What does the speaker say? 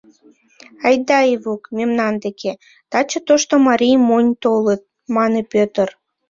— Айда, Ивук, мемнан деке: таче тошто марий монь толыт, — мане Пӧтыр.